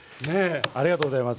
ありがとうございます。